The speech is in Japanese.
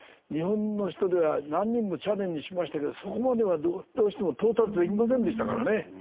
日本の人では何人もチャレンジしましたけどそこまではどうしても到達できませんでしたからね。